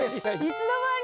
いつの間に？